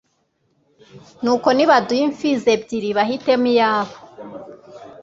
Nuko nibaduhe imfpizi ebyiri bahitemo iyabo